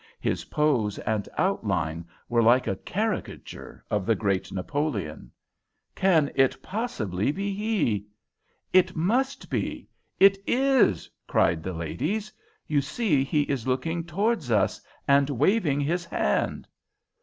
His pose and outline were like a caricature of the great Napoleon. "Can it possibly be he?" "It must be. It is!" cried the ladies. "You see he is looking towards us and waving his hand."